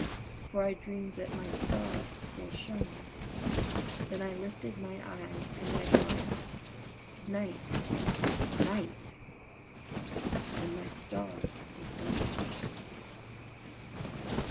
for I dreamed that my star still shone, Then I lifted my eyes in my triumph. Night! night! and my star was gone.